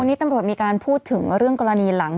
วันนี้ตำรวจมีการพูดถึงเรื่องกรณีหลัง